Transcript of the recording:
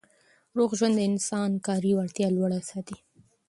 روغ ژوند د انسان کاري وړتیا لوړه ساتي.